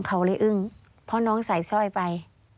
เขาเลยอึ้งเพราะน้องใส่สร้อยไป